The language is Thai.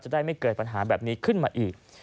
ได้ไม่เกิดปัญหาแบบนี้ขึ้นมาอีก